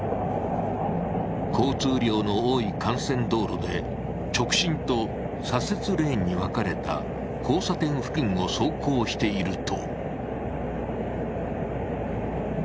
交通量の多い幹線道路で直進と左折レーンに分かれた交差点付近を走行していると。